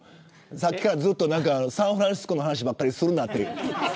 さっきからサンフランシスコの話ばっかりするなって。